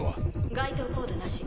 該当コードなし。